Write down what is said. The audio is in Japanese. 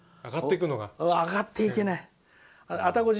上がっていけない。